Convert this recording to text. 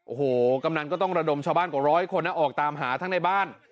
โอ้โหกำนันก็ต้องระดมชาวบ้านกว่าร้อยคนออกตามหาทั้งในบ้าน